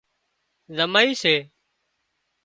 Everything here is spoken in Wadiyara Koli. زمائي سي